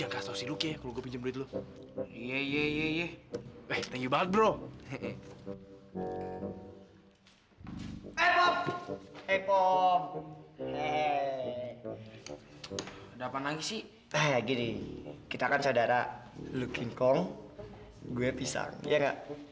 hai eh pom eh pom eh dapat lagi sih kayak gini kita akan saudara looking kong gue pisang